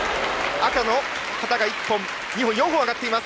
赤の旗が４本上がっています。